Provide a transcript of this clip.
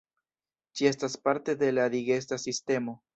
Ĝi estas parte de la digesta sistemo.